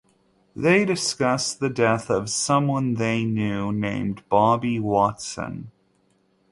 They discuss the death of someone they knew, named Bobby Watson.